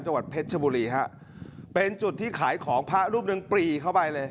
จังหวัดเพชรชบุรีฮะเป็นจุดที่ขายของพระรูปหนึ่งปรีเข้าไปเลย